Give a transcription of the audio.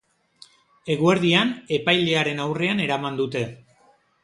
Eguerdian epailearen aurrean eraman dute.